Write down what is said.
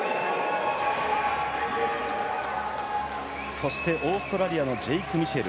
そして、オーストラリアのジェイク・ミシェル。